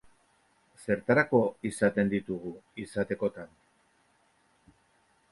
Zertarako izaten ditugu, izatekotan?